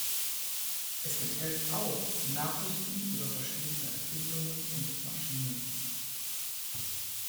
Es enthält auch Nachrichten über verschiedene Erfindungen und Maschinen.